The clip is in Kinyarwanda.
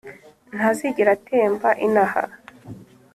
Ntazigera atemba inaha